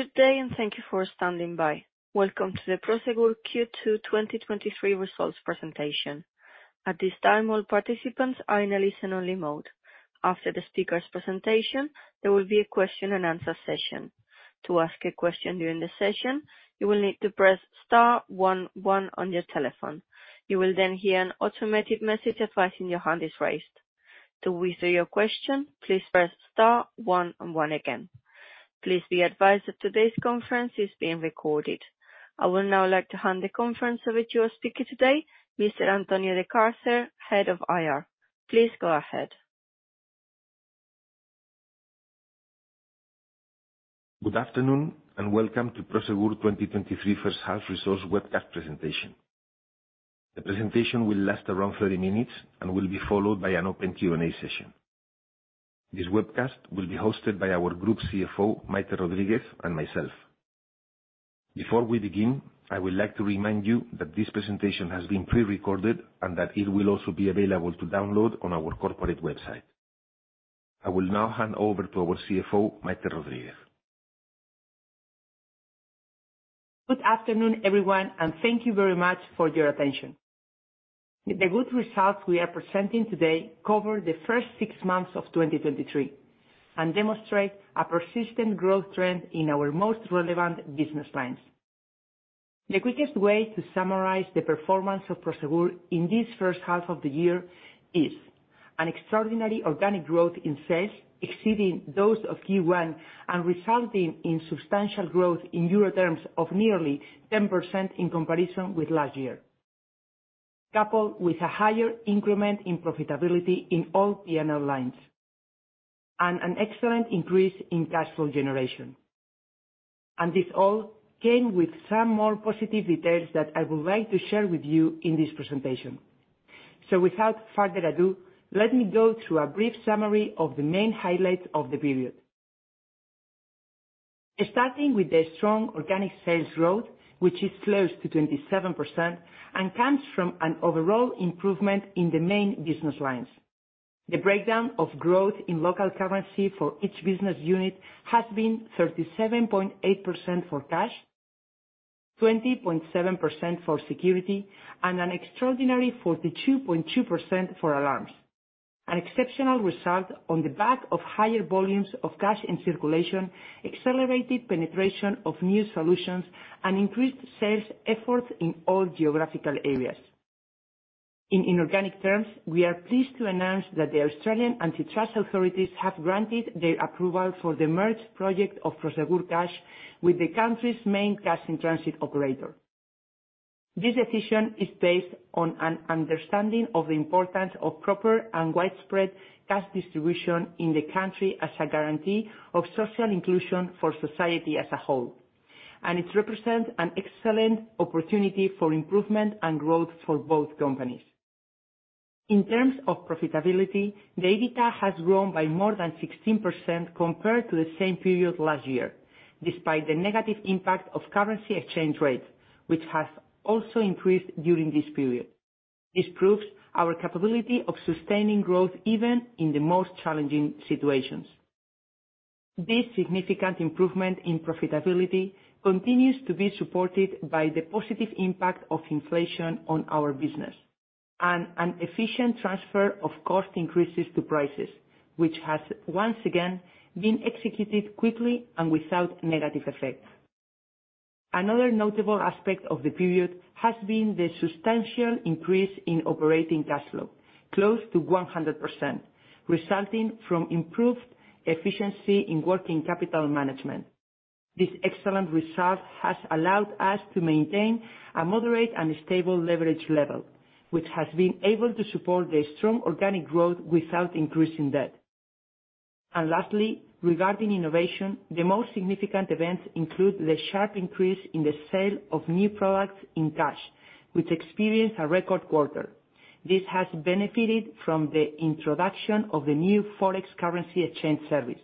Good day, and thank you for standing by. Welcome to the Prosegur Q2 2023 results presentation. At this time, all participants are in a listen-only mode. After the speaker's presentation, there will be a question and answer session. To ask a question during the session, you will need to press star one one on your telephone. You will then hear an automated message advising your hand is raised. To withdraw your question, please press star one one again. Please be advised that today's conference is being recorded. I would now like to hand the conference over to your speaker today, Mr. Antonio de Cárcer, Head of IR. Please go ahead. Good afternoon, and welcome to Prosegur 2023 first half resource webcast presentation. The presentation will last around 30 minutes and will be followed by an open Q&A session. This webcast will be hosted by our Group CFO, Maite Rodríguez, and myself. Before we begin, I would like to remind you that this presentation has been pre-recorded and that it will also be available to download on our corporate website. I will now hand over to our CFO, Maite Rodríguez. Good afternoon, everyone, thank you very much for your attention. The good results we are presenting today cover the first six months of 2023, and demonstrate a persistent growth trend in our most relevant business lines. The quickest way to summarize the performance of Prosegur in this first half of the year is an extraordinary organic growth in sales, exceeding those of Q1, and resulting in substantial growth in EUR terms of nearly 10% in comparison with last year. Coupled with a higher increment in profitability in all PNL lines, an excellent increase in cash flow generation. This all came with some more positive details that I would like to share with you in this presentation. Without further ado, let me go through a brief summary of the main highlights of the period. Starting with the strong organic sales growth, which is close to 27%, and comes from an overall improvement in the main business lines. The breakdown of growth in local currency for each business unit has been 37.8% for cash, 20.7% for security, and an extraordinary 42.2% for alarms. An exceptional result on the back of higher volumes of cash in circulation, accelerated penetration of new solutions, and increased sales efforts in all geographical areas. In inorganic terms, we are pleased to announce that the Australian antitrust authorities have granted their approval for the merge project of Prosegur Cash with the country's main cash in transit operator. This decision is based on an understanding of the importance of proper and widespread cash distribution in the country as a guarantee of social inclusion for society as a whole, and it represents an excellent opportunity for improvement and growth for both companies. In terms of profitability, the EBITDA has grown by more than 16% compared to the same period last year, despite the negative impact of currency exchange rates, which has also increased during this period. This proves our capability of sustaining growth, even in the most challenging situations. This significant improvement in profitability continues to be supported by the positive impact of inflation on our business, and an efficient transfer of cost increases to prices, which has once again been executed quickly and without negative effect. Another notable aspect of the period has been the substantial increase in operating cash flow, close to 100%, resulting from improved efficiency in working capital management. This excellent result has allowed us to maintain a moderate and stable leverage level, which has been able to support the strong organic growth without increasing debt. Lastly, regarding innovation, the most significant events include the sharp increase in the sale of new products in cash, which experienced a record quarter. This has benefited from the introduction of the new Forex currency exchange service.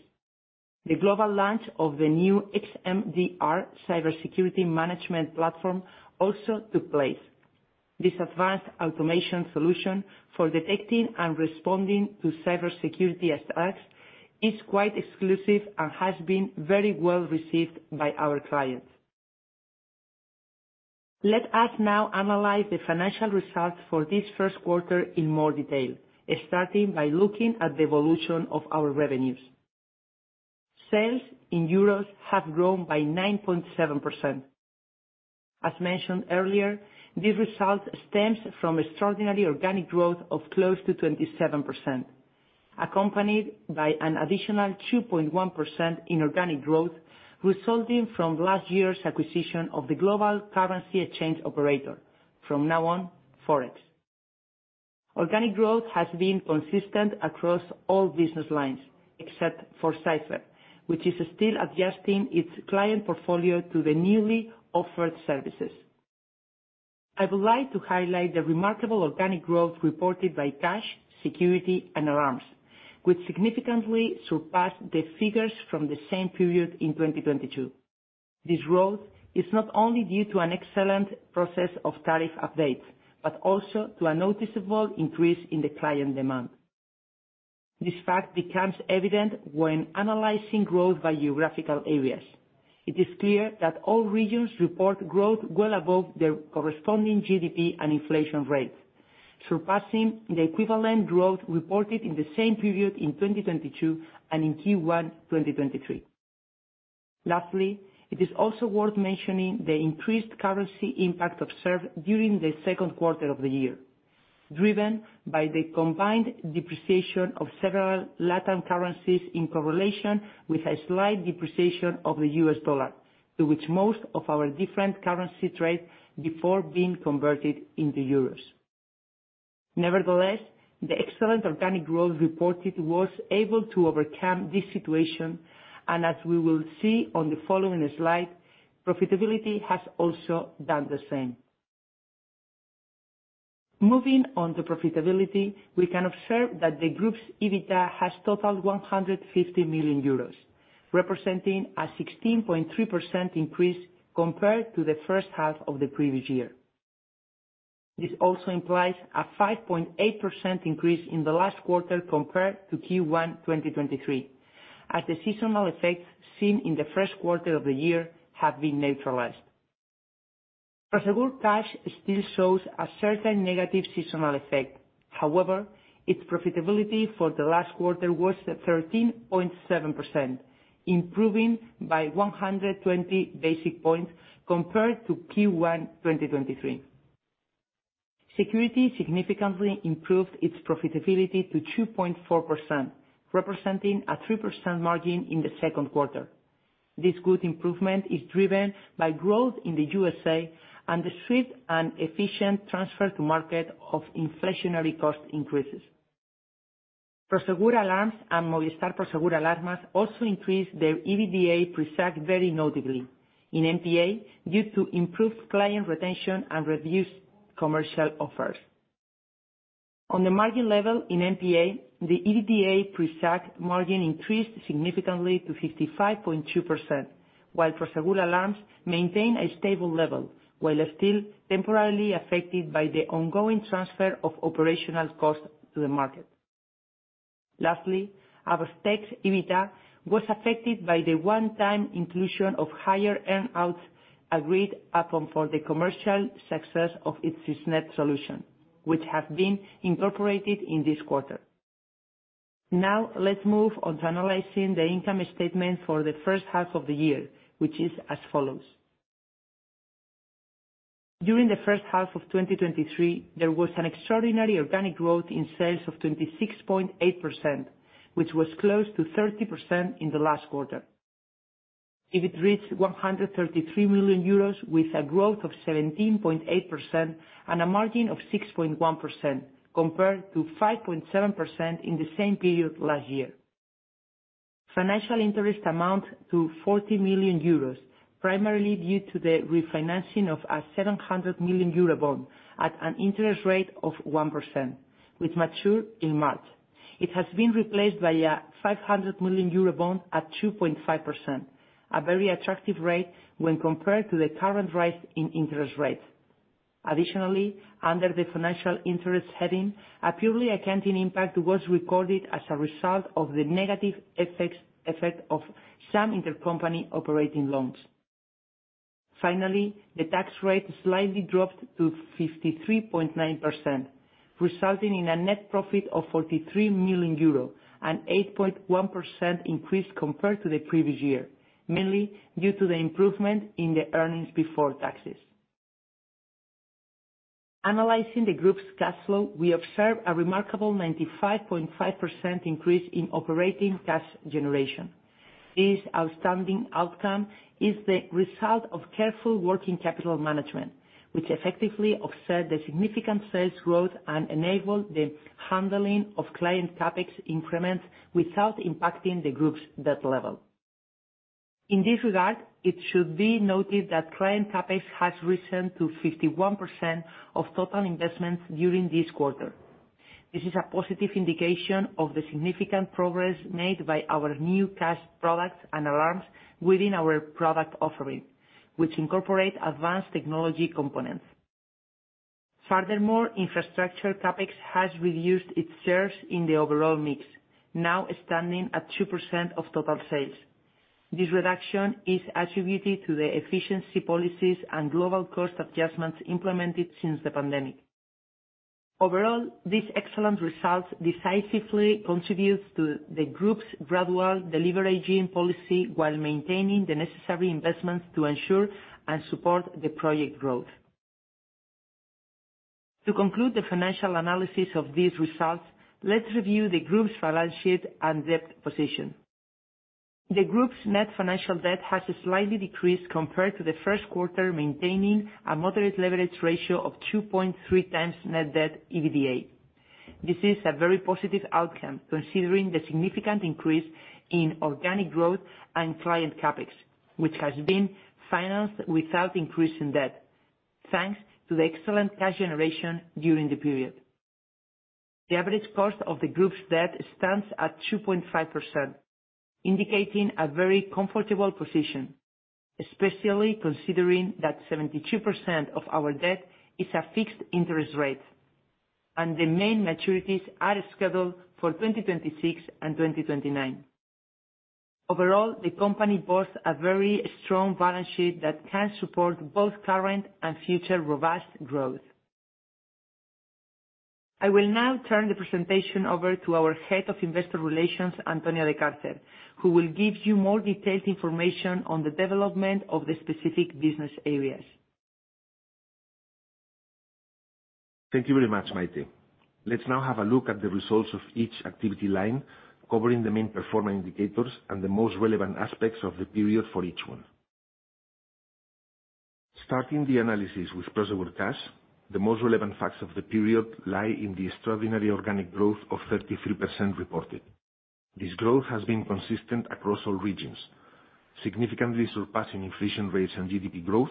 The global launch of the new xMDR cybersecurity management platform also took place. This advanced automation solution for detecting and responding to cybersecurity attacks is quite exclusive and has been very well received by our clients. Let us now analyze the financial results for this first quarter in more detail, starting by looking at the evolution of our revenues. Sales in euros have grown by 9.7%. As mentioned earlier, this result stems from extraordinary organic growth of close to 27%, accompanied by an additional 2.1% inorganic growth, resulting from last year's acquisition of the global currency exchange operator, from now on, Forex. Organic growth has been consistent across all business lines, except for Cipher, which is still adjusting its client portfolio to the newly offered services. I would like to highlight the remarkable organic growth reported by cash, security, and alarms, which significantly surpassed the figures from the same period in 2022. This growth is not only due to an excellent process of tariff updates, but also to a noticeable increase in the client demand.... This fact becomes evident when analyzing growth by geographical areas. It is clear that all regions report growth well above their corresponding GDP and inflation rates, surpassing the equivalent growth reported in the same period in 2022 and in Q1 2023. Lastly, it is also worth mentioning the increased currency impact observed during the second quarter of the year, driven by the combined depreciation of several LatAm currencies in correlation with a slight depreciation of the US dollar, to which most of our different currency trades before being converted into euros. Nevertheless, the excellent organic growth reported was able to overcome this situation, and as we will see on the following slide, profitability has also done the same. Moving on to profitability, we can observe that the group's EBITDA has totaled 150 million euros, representing a 16.3% increase compared to the first half of the previous year. This also implies a 5.8% increase in the last quarter compared to Q1 2023, as the seasonal effects seen in the first quarter of the year have been neutralized. Prosegur Cash still shows a certain negative seasonal effect. However, its profitability for the last quarter was at 13.7%, improving by 120 basis points compared to Q1 2023. Security significantly improved its profitability to 2.4%, representing a 3% margin in the second quarter. This good improvement is driven by growth in the USA and the swift and efficient transfer to market of inflationary cost increases. Prosegur Alarms and Movistar Prosegur Alarmas also increased their EBITDA pre-SAC very notably. In MPA, due to improved client retention and reduced commercial offers. On the margin level, in MPA, the EBITDA pre-SAC margin increased significantly to 55.2%, while Prosegur Alarms maintained a stable level, while still temporarily affected by the ongoing transfer of operational costs to the market. Lastly, AVOS Tech's EBITDA was affected by the one-time inclusion of higher earn-outs agreed upon for the commercial success of its SISnet solution, which have been incorporated in this quarter. Now, let's move on to analyzing the income statement for the first half of the year, which is as follows. During the first half of 2023, there was an extraordinary organic growth in sales of 26.8%, which was close to 30% in the last quarter. EBIT reached 133 million euros, with a growth of 17.8% and a margin of 6.1%, compared to 5.7% in the same period last year. Financial interest amount to 40 million euros, primarily due to the refinancing of a 700 million euro bond at an interest rate of 1%, which mature in March. It has been replaced by a 500 million euro bond at 2.5%, a very attractive rate when compared to the current rise in interest rates. Additionally, under the financial interest heading, a purely accounting impact was recorded as a result of the negative effects, effect of some intercompany operating loans. Finally, the tax rate slightly dropped to 53.9%, resulting in a net profit of 43 million euro, an 8.1% increase compared to the previous year, mainly due to the improvement in the earnings before taxes. Analyzing the group's cash flow, we observe a remarkable 95.5% increase in operating cash generation. This outstanding outcome is the result of careful working capital management, which effectively offset the significant sales growth and enabled the handling of client CapEx increments without impacting the group's debt level. In this regard, it should be noted that client CapEx has risen to 51% of total investments during this quarter. This is a positive indication of the significant progress made by our new cash products and alarms within our product offering, which incorporate advanced technology components. Furthermore, infrastructure CapEx has reduced its shares in the overall mix, now standing at 2% of total sales. This reduction is attributed to the efficiency policies and global cost adjustments implemented since the pandemic. Overall, these excellent results decisively contributes to the group's gradual deleveraging policy while maintaining the necessary investments to ensure and support the project growth. To conclude the financial analysis of these results, let's review the group's balance sheet and debt position. The group's net financial debt has slightly decreased compared to the first quarter, maintaining a moderate leverage ratio of 2.3x net debt EBITDA. This is a very positive outcome, considering the significant increase in organic growth and client CapEx, which has been financed without increasing debt, thanks to the excellent cash generation during the period. The average cost of the group's debt stands at 2.5%, indicating a very comfortable position, especially considering that 72% of our debt is a fixed interest rate, and the main maturities are scheduled for 2026 and 2029. Overall, the company boasts a very strong balance sheet that can support both current and future robust growth. I will now turn the presentation over to our Head of Investor Relations, Antonio de Cárcer, who will give you more detailed information on the development of the specific business areas. Thank you very much, Maite Rodríguez. Let's now have a look at the results of each activity line, covering the main performance indicators and the most relevant aspects of the period for each one. Starting the analysis with Prosegur Cash, the most relevant facts of the period lie in the extraordinary organic growth of 33% reported. This growth has been consistent across all regions, significantly surpassing inflation rates and GDP growth.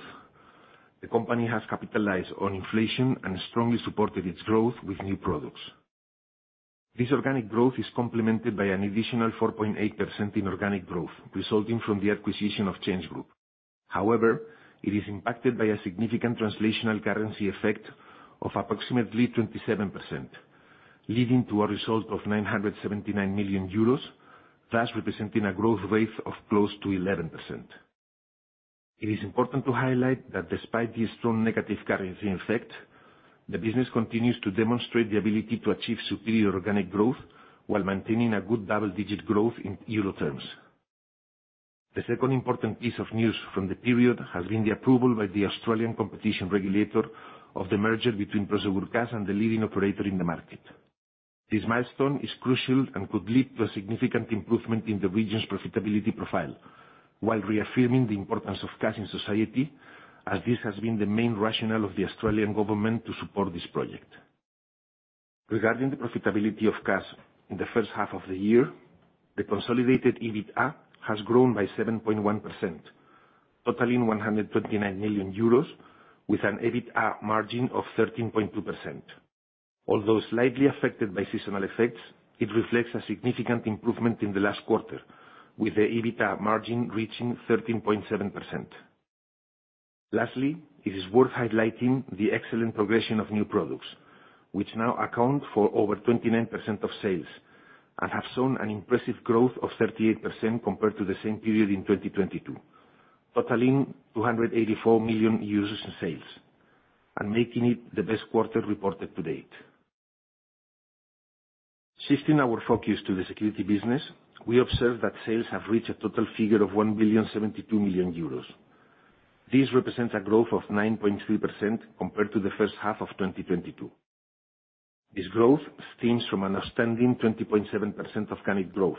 The company has capitalized on inflation and strongly supported its growth with new products. This organic growth is complemented by an additional 4.8% inorganic growth, resulting from the acquisition of ChangeGroup. However, it is impacted by a significant translational currency effect of approximately 27%, leading to a result of 979 million euros, thus representing a growth rate of close to 11%. It is important to highlight that despite the strong negative currency effect, the business continues to demonstrate the ability to achieve superior organic growth while maintaining a good double-digit growth in euro terms. The second important piece of news from the period has been the approval by the Australian Competition Regulator of the merger between Prosegur Cash and the leading operator in the market. This milestone is crucial and could lead to a significant improvement in the region's profitability profile, while reaffirming the importance of cash in society, as this has been the main rationale of the Australian Government to support this project. Regarding the profitability of Cash in the first half of the year, the consolidated EBITDA has grown by 7.1%, totaling 129 million euros, with an EBITDA margin of 13.2%. Although slightly affected by seasonal effects, it reflects a significant improvement in the last quarter, with the EBITDA margin reaching 13.7%. Lastly, it is worth highlighting the excellent progression of new products, which now account for over 29% of sales and have shown an impressive growth of 38% compared to the same period in 2022, totaling 284 million in sales, and making it the best quarter reported to date. Shifting our focus to the security business, we observe that sales have reached a total figure of 1,072 million euros. This represents a growth of 9.3% compared to the first half of 2022. This growth stems from an outstanding 20.7% organic growth,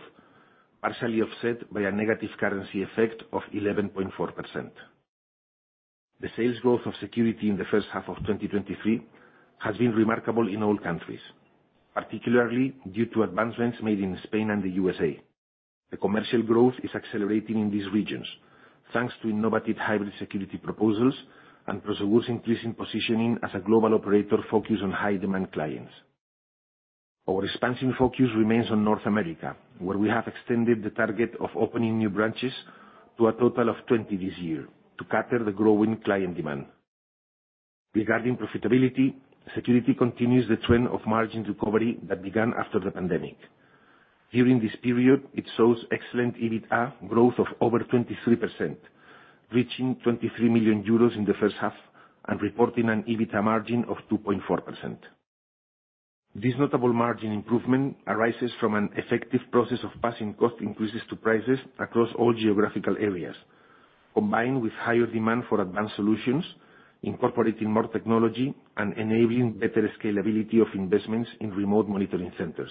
partially offset by a negative currency effect of 11.4%. The sales growth of security in the first half of 2023 has been remarkable in all countries, particularly due to advancements made in Spain and the USA. The commercial growth is accelerating in these regions, thanks to innovative hybrid security proposals and Prosegur's increasing positioning as a global operator focused on high-demand clients. Our expansion focus remains on North America, where we have extended the target of opening new branches to a total of 20 this year to cater the growing client demand. Regarding profitability, security continues the trend of margin recovery that began after the pandemic. During this period, it shows excellent EBITDA growth of over 23%, reaching 23 million euros in the first half, and reporting an EBITDA margin of 2.4%. This notable margin improvement arises from an effective process of passing cost increases to prices across all geographical areas, combined with higher demand for advanced solutions, incorporating more technology, and enabling better scalability of investments in remote monitoring centers.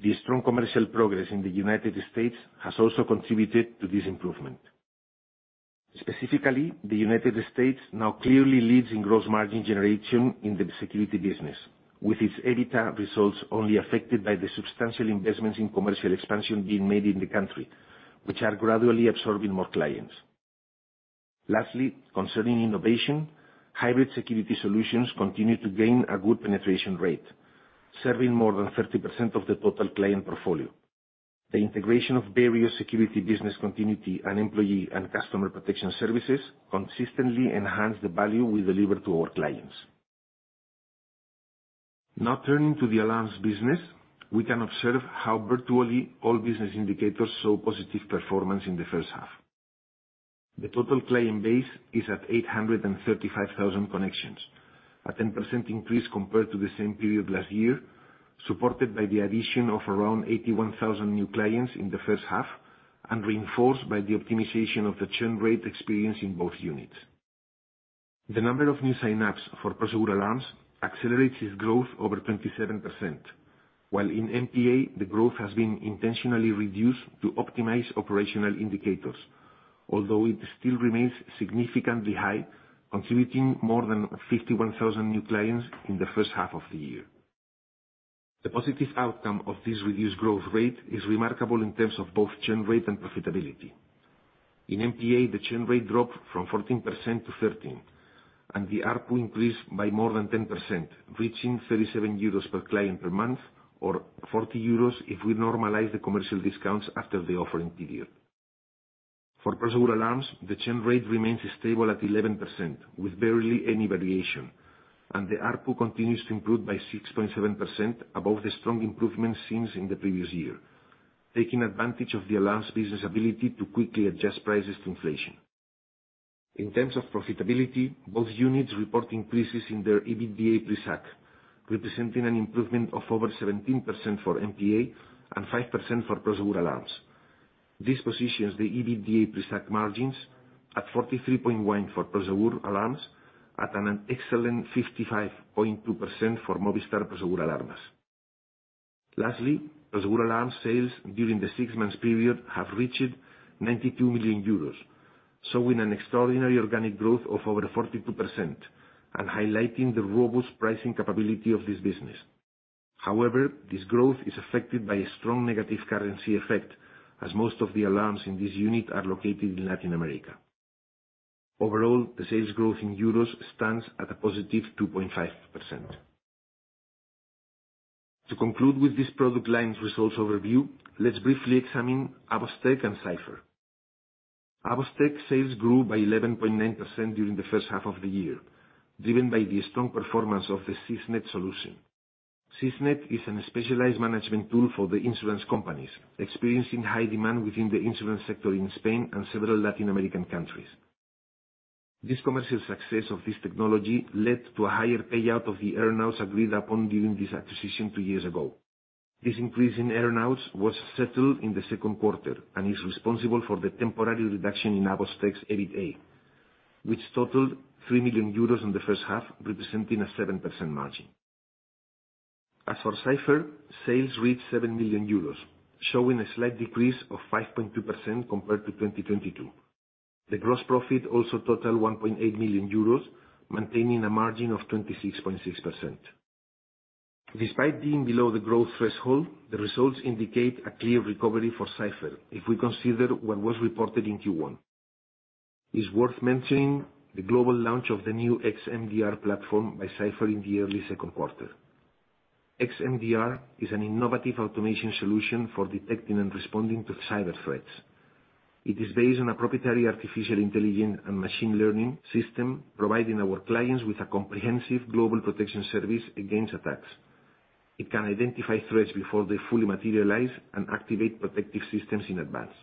The strong commercial progress in the United States has also contributed to this improvement. Specifically, the United States now clearly leads in gross margin generation in the security business, with its EBITDA results only affected by the substantial investments in commercial expansion being made in the country, which are gradually absorbing more clients. Lastly, concerning innovation, hybrid security solutions continue to gain a good penetration rate, serving more than 30% of the total client portfolio. The integration of various security business continuity and employee and customer protection services consistently enhance the value we deliver to our clients. Now turning to the Alarms business, we can observe how virtually all business indicators show positive performance in the first half. The total client base is at 835,000 connections, a 10% increase compared to the same period last year, supported by the addition of 81,000 new clients in the first half, and reinforced by the optimization of the churn rate experienced in both units. The number of new sign-ups for Prosegur Alarms accelerates growth over 27%, while in MPA, the growth has been intentionally reduced to optimize operational indicators, although it still remains significantly high, contributing more than 51,000 new clients in the first half of the year. The positive outcome of this reduced growth rate is remarkable in terms of both churn rate and profitability. In MPA, the churn rate dropped from 14% to 13%. The ARPU increased by more than 10%, reaching 37 euros per client per month, or 40 euros if we normalize the commercial discounts after the offering period. For Prosegur Alarms, the churn rate remains stable at 11%, with barely any variation, and the ARPU continues to improve by 6.7% above the strong improvement seen in the previous year, taking advantage of the alarms business ability to quickly adjust prices to inflation. In terms of profitability, both units report increases in their EBITDA pre-SAC, representing an improvement of over 17% for MPA and 5% for Prosegur Alarms. This positions the EBITDA pre-SAC margins at 43.1% for Prosegur Alarms, at an excellent 55.2% for Movistar Prosegur Alarmas. Lastly, Prosegur Alarms sales during the six-month period have reached 92 million euros, showing an extraordinary organic growth of over 42%, and highlighting the robust pricing capability of this business. However, this growth is affected by a strong negative currency effect, as most of the alarms in this unit are located in Latin America. Overall, the sales growth in EUR stands at a positive 2.5%. To conclude with this product line's results overview, let's briefly examine AVOS Tech and Cipher. AVOS Tech sales grew by 11.9% during the first half of the year, driven by the strong performance of the SISnet solution. SISnet is a specialized management tool for the insurance companies, experiencing high demand within the insurance sector in Spain and several Latin American countries. This commercial success of this technology led to a higher payout of the earnouts agreed upon during this acquisition two years ago. This increase in earnouts was settled in the second quarter and is responsible for the temporary reduction in AVOS Tech's EBITDA, which totaled 3 million euros in the first half, representing a 7% margin. As for Cipher, sales reached 7 million euros, showing a slight decrease of 5.2% compared to 2022. The gross profit also totaled 1.8 million euros, maintaining a margin of 26.6%. Despite being below the growth threshold, the results indicate a clear recovery for Cipher if we consider what was reported in Q1. It's worth mentioning the global launch of the new xMDR platform by Cipher in the early second quarter. xMDR is an innovative automation solution for detecting and responding to cyber threats. It is based on a proprietary artificial intelligence and machine learning system, providing our clients with a comprehensive global protection service against attacks. It can identify threats before they fully materialize and activate protective systems in advance.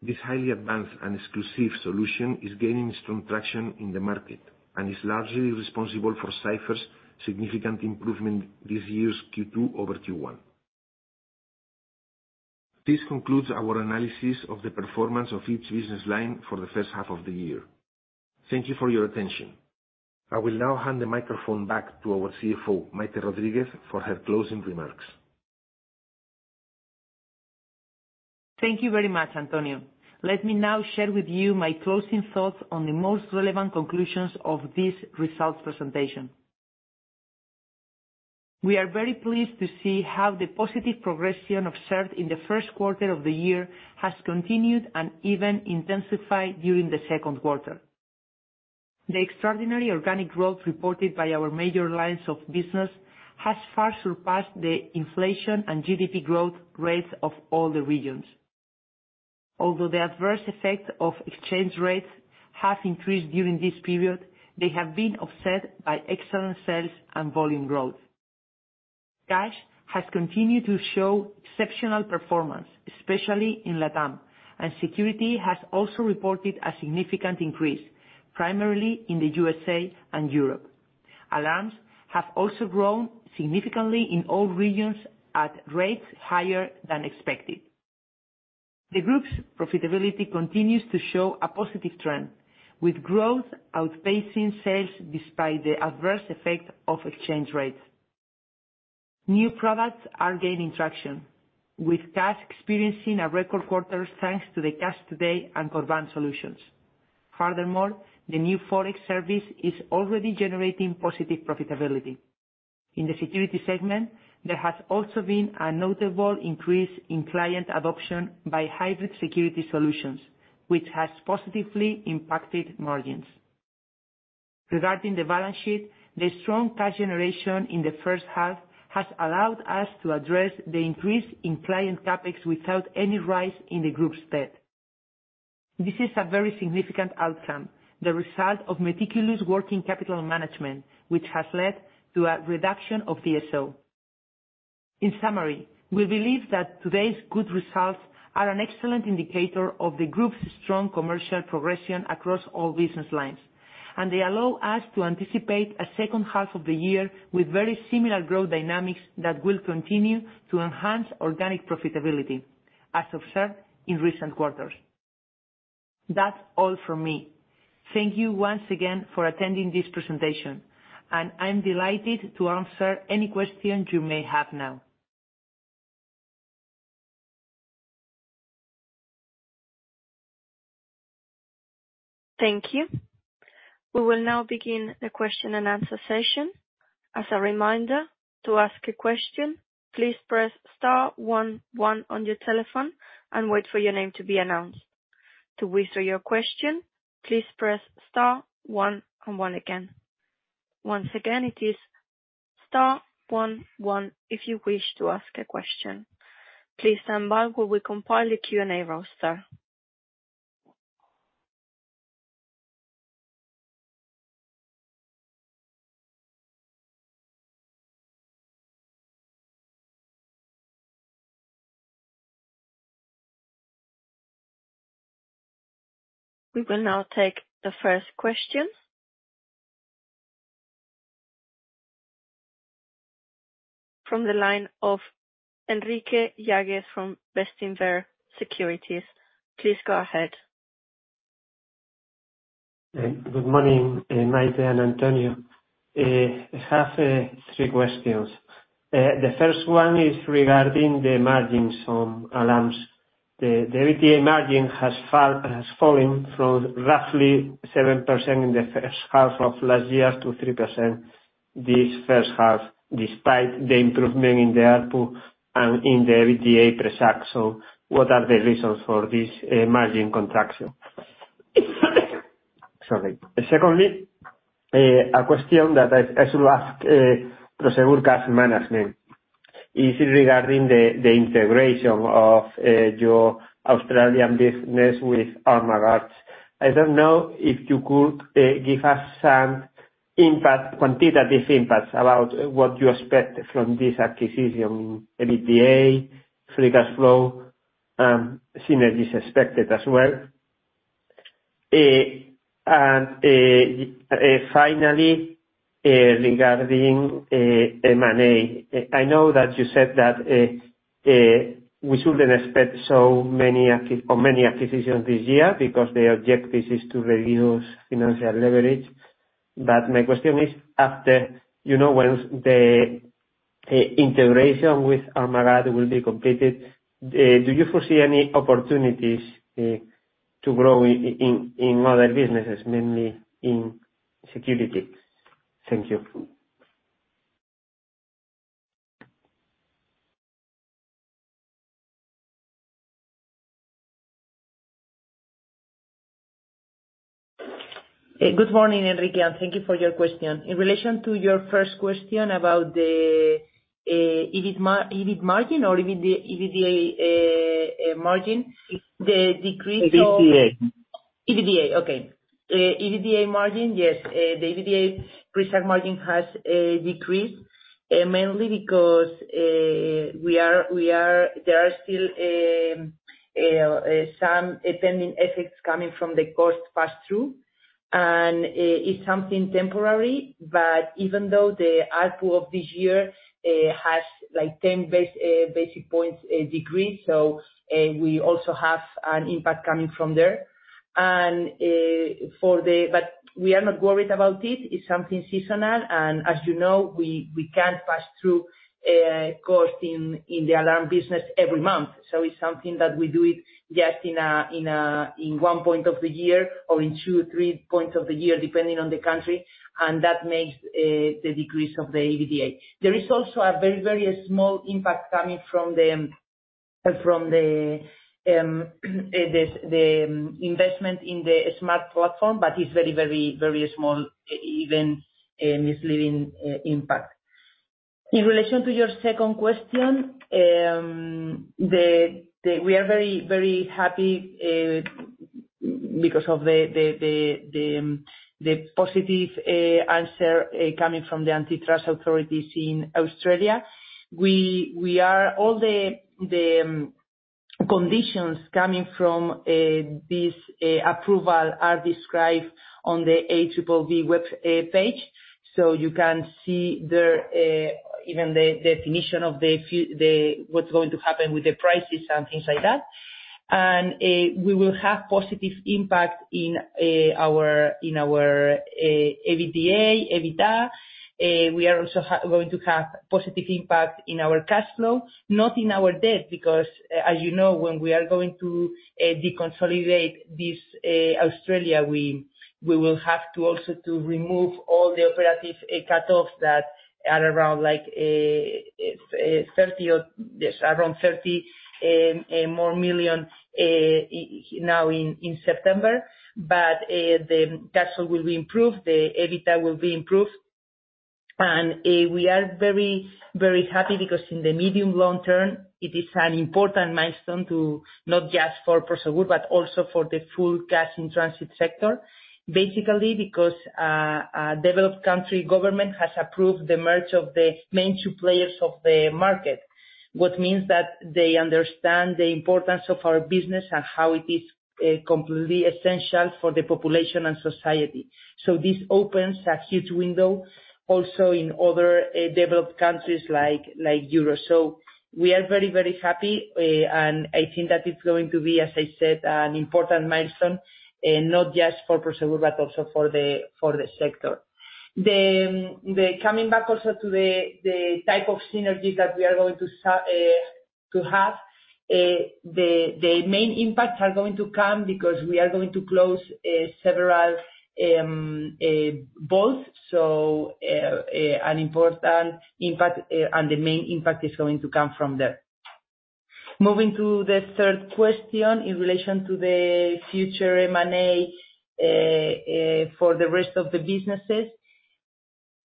This highly advanced and exclusive solution is gaining strong traction in the market and is largely responsible for Cipher's significant improvement this year's Q2 over Q1. This concludes our analysis of the performance of each business line for the first half of the year. Thank you for your attention. I will now hand the microphone back to our CFO, Maite Rodríguez, for her closing remarks. Thank you very much, Antonio. Let me now share with you my closing thoughts on the most relevant conclusions of this results presentation. We are very pleased to see how the positive progression observed in the first quarter of the year has continued and even intensified during the second quarter. The extraordinary organic growth reported by our major lines of business has far surpassed the inflation and GDP growth rates of all the regions. Although the adverse effects of exchange rates have increased during this period, they have been offset by excellent sales and volume growth. Cash has continued to show exceptional performance, especially in LatAm, and security has also reported a significant increase, primarily in the USA and Europe. Alarms have also grown significantly in all regions at rates higher than expected. The group's profitability continues to show a positive trend, with growth outpacing sales despite the adverse effect of exchange rates. New products are gaining traction, with Cash experiencing a record quarter, thanks to the Cash Today and Corban solutions. Furthermore, the new ChangeGroup service is already generating positive profitability. In the security segment, there has also been a notable increase in client adoption by hybrid security solutions, which has positively impacted margins. Regarding the balance sheet, the strong cash generation in the first half has allowed us to address the increase in client CapEx without any rise in the group's debt. This is a very significant outcome, the result of meticulous working capital management, which has led to a reduction of DSO. In summary, we believe that today's good results are an excellent indicator of the group's strong commercial progression across all business lines, and they allow us to anticipate a second half of the year with very similar growth dynamics that will continue to enhance organic profitability, as observed in recent quarters. That's all from me. Thank you once again for attending this presentation, and I'm delighted to answer any questions you may have now. Thank you. We will now begin the question and answer session. As a reminder, to ask a question, please press star 11 on your telephone and wait for your name to be announced. To withdraw your question, please press star one and one again. Once again, it is star 11 if you wish to ask a question. Please stand by while we compile a Q&A roster. We will now take the first question. From the line of Enrique Yaguez from Bestinver Securities. Please go ahead. Good morning, Maite and Antonio. I have three questions. The first one is regarding the margins from alarms. The EBITDA margin has fallen from roughly 7% in the first half of last year to 3% this first half, despite the improvement in the ARPU and in the EBITDA pre-SAC. What are the reasons for this margin contraction? Sorry. Secondly, a question that I should ask, Prosegur Cash Management, is regarding the integration of your Australian business with Armaguard. I don't know if you could give us some impact, quantitative impact, about what you expect from this acquisition, EBITDA, free cash flow, synergies expected as well. Finally, regarding M&A. I know that you said that, we shouldn't expect so many acqui- or many acquisitions this year, because the objective is to reduce financial leverage. My question is, after, you know, once the integration with Armaguard will be completed, do you foresee any opportunities, to grow i-in, in other businesses, mainly in security? Thank you. Good morning, Enrique, and thank you for your question. In relation to your first question about the EBIT margin or EBITDA margin, the decrease of- EBITDA. EBITDA, okay. EBITDA margin, yes. The EBITDA pre-SAC margin has decreased mainly because we are, there are still some pending effects coming from the cost pass-through, and it's something temporary. Even though the ARPU of this year has, like, 10 basis points decreased, we also have an impact coming from there. We are not worried about it, it's something seasonal, and as you know, we, we can't pass through cost in, in the alarm business every month. It's something that we do it just in a, in one point of the year or in two, three points of the year, depending on the country, and that makes the decrease of the EBITDA. There is also a very, very small impact coming from the, from the investment in the SMART platform, but it's very, very, very small, misleading impact. In relation to your second question, we are very, very happy because of the positive answer coming from the antitrust authorities in Australia. All the conditions coming from this approval are described on the ACCC web page. You can see even the definition of the what's going to happen with the prices and things like that. We will have positive impact in our EBITDA. We are also going to have positive impact in our cash flow, not in our debt, because, as you know, when we are going to deconsolidate this Australia, we will have to also to remove all the operative cutoffs that are around, like 30 or, yes, around 30 more million now in September. The cash flow will be improved, the EBITDA will be improved. We are very, very happy, because in the medium long term, it is an important milestone to, not just for Prosegur, but also for the full cash-in-transit sector. Basically, because a developed country government has approved the merge of the main two players of the market. What means that they understand the importance of our business and how it is completely essential for the population and society. This opens a huge window also in other developed countries like, like Europe. We are very, very happy, and I think that it's going to be, as I said, an important milestone, not just for Prosegur, but also for the, for the sector. Coming back also to the type of synergies that we are going to have, the main impacts are going to come because we are going to close several both. An important impact, and the main impact is going to come from there. Moving to the third question in relation to the future M&A for the rest of the businesses.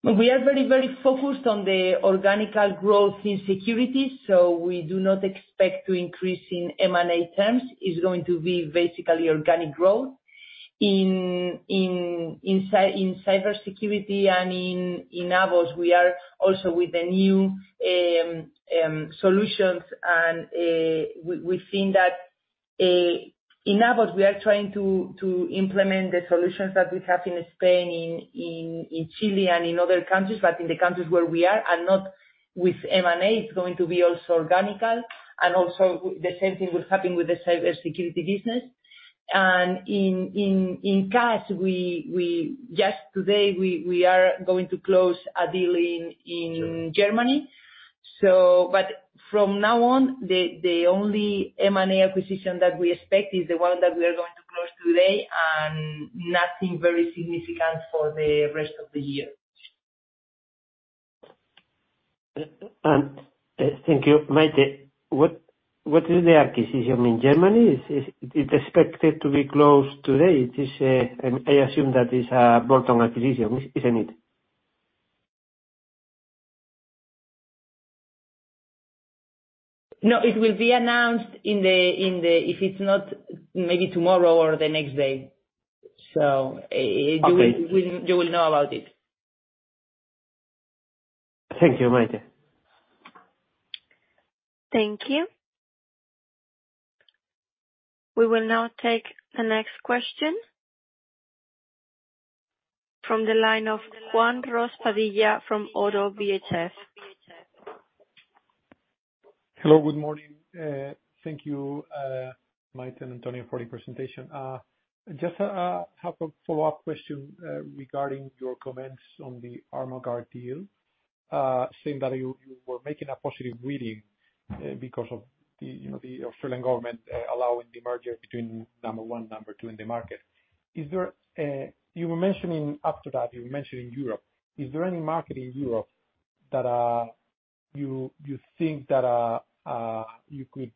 We are very, very focused on the organical growth in security, so we do not expect to increase in M&A terms. It's going to be basically organic growth. In cybersecurity and in AVOS, we are also with the new solutions, and we, we've seen that in AVOS we are trying to implement the solutions that we have in Spain, in Chile and in other countries. In the countries where we are and not with M&A, it's going to be also organical. Also, the same thing will happen with the cybersecurity business. In cash, we just today, we are going to close a deal in Germany. From now on, the only M&A acquisition that we expect is the one that we are going to close today, and nothing very significant for the rest of the year. Thank you, Maite. What, what is the acquisition in Germany? Is, is it expected to be closed today? It is, I assume that it's a bolt-on acquisition, isn't it? No, it will be announced in the, in the... If it's not, maybe tomorrow or the next day. Okay. You will, you will know about it. Thank you, Maite. Thank you. We will now take the next question from the line of Juan Ros Padilla from ODDO BHF. Hello, good morning. Thank you, Maite and Antonio, for the presentation. Just have a follow-up question regarding your comments on the Armaguard deal. Saying that you, you were making a positive reading because of the, you know, the Australian government allowing the merger between number one, number two in the market. Is there? You were mentioning, after that, you were mentioning Europe. Is there any market in Europe that you, you think that you could,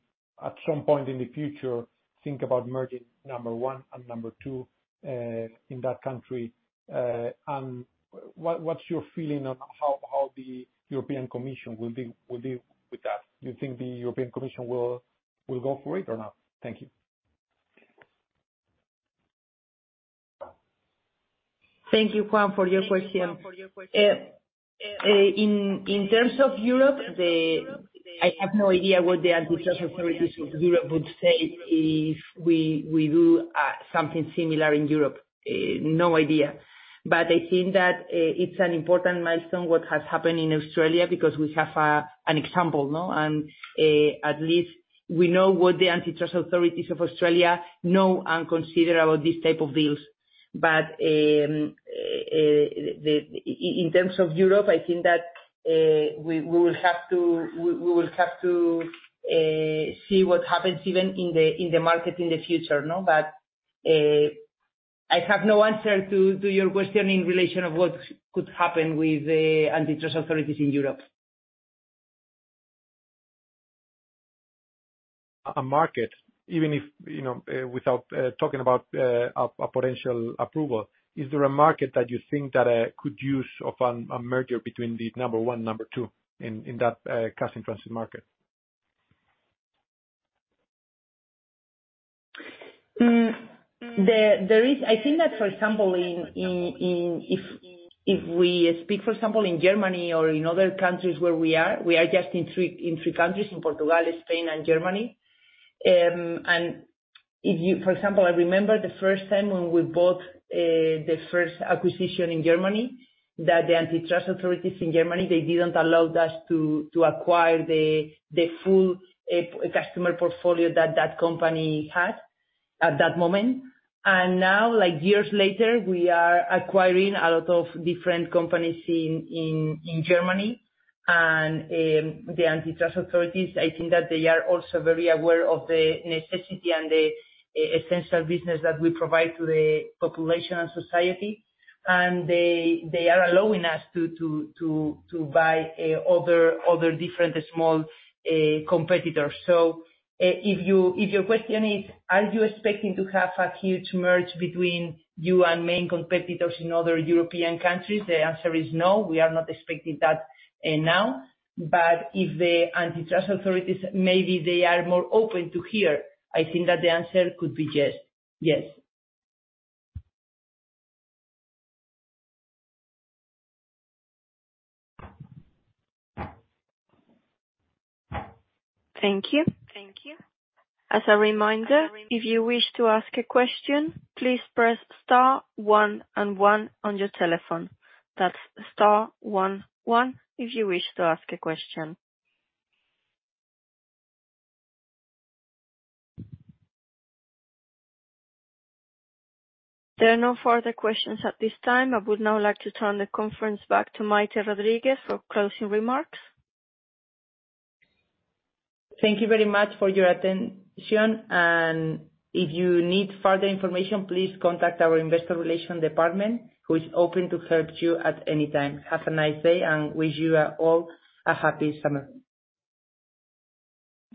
at some point in the future, think about merging number one and number two in that country? What, what's your feeling on how, how the European Commission will deal, will deal with that? Do you think the European Commission will, will go for it or not? Thank you. Thank you, Juan, for your question. In terms of Europe, the... I have no idea what the antitrust authorities of Europe would say if we do something similar in Europe. No idea. I think that it's an important milestone, what has happened in Australia, because we have an example, no? At least we know what the antitrust authorities of Australia know and consider about these type of deals. In terms of Europe, I think that we will have to, we will have to see what happens even in the market in the future, no? I have no answer to your question in relation of what could happen with the antitrust authorities in Europe. A market, even if, you know, without talking about a potential approval, is there a market that you think that could use of a merger between the number one, number two in, in that cash-in-transit market? there, there is... I think that, for example, in, in, in, if, if we speak, for example, in Germany or in other countries where we are, we are just in three, in three countries: in Portugal, Spain and Germany. If you... For example, I remember the first time when we bought the first acquisition in Germany, that the antitrust authorities in Germany, they didn't allow us to, to acquire the, the full, customer portfolio that that company had at that moment. Now, like years later, we are acquiring a lot of different companies in, in, in Germany. The antitrust authorities, I think that they are also very aware of the necessity and the, essential business that we provide to the population and society. They, they are allowing us to, to, to, to buy, other, other different small, competitors. If you, if your question is, are you expecting to have a huge merge between you and main competitors in other European countries? The answer is no, we are not expecting that, now. But if the antitrust authorities, maybe they are more open to hear, I think that the answer could be yes. Yes. Thank you. As a reminder, if you wish to ask a question, please press star one and one on your telephone. That's star one one, if you wish to ask a question. There are no further questions at this time. I would now like to turn the conference back to Maite Rodríguez for closing remarks. Thank you very much for your attention, and if you need further information, please contact our investor relations department, who is open to help you at any time. Have a nice day, and wish you all a happy summer.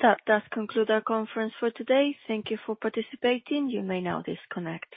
That does conclude our conference for today. Thank you for participating. You may now disconnect.